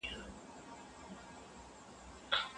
هغه غوښه چې له کلي راغلې ده، ډېره تازه ده.